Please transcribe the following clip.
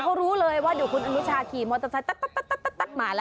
เค้ารู้เลยว่าเดี๋ยวคุณอนุชาขี่มอเตอร์ไซน์วุตตุ๊ะมาละ